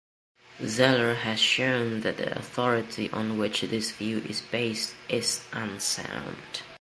Zeller has shown that the authority on which this view is based is unsound.